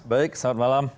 mas didi selamat malam